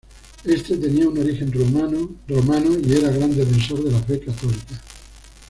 Este tenía un origen romano y era gran defensor de la fe católica.